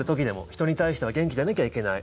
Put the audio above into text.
人に対しては元気でなきゃいけない。